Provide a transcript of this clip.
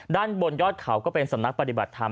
ด้านบนยอดเขาก็เป็นสำนักปฏิบัติธรรม